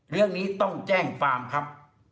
เรื่องนี้ต้องแจ้งความครับ